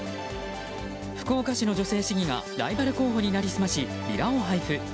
福岡市の女性市議がライバル候補に成り済ましビラを配布。